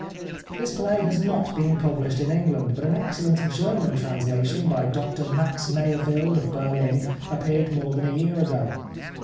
This play has not been published in England, but an excellent German translation by Doctor Max Meyerfeld of Berhn appeared more than a year ago.